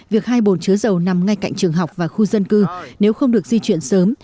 việc hai bồn chứa dầu nằm ngay cạnh trường học và khu dân cư nếu không được di chuyển sớm